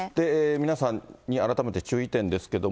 皆さんに改めて注意点ですけども。